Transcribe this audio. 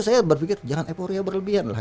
saya berpikir jangan epohoria berlebihan lah